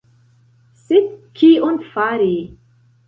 Sed kion fari?